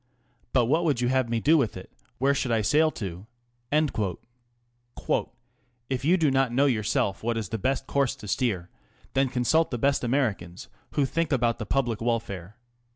But what would you have me do with it ? Where should I sail to ?"" If you do not know yourself what is the best course to steer, then consult the best Americans who think about the public welfare.